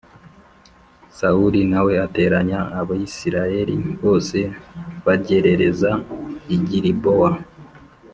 sawuli na we ateranya abisirayeli bose, bagerereza i gilibowa